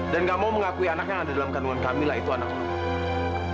dan gak mau mengakui anaknya yang ada dalam kandungan kamila itu anak lo